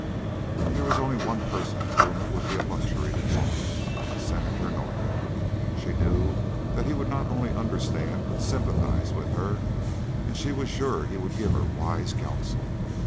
There was only one person to whom it would be a luxury to talk, Senator North. She knew that he would not only understand but sympathize with her, and she was sure he would give her wise counsel.